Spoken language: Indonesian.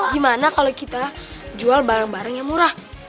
gimana kalau kita jual barang barang yang murah